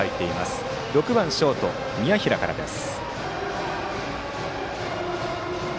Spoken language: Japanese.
バッターは６番ショート、宮平からです。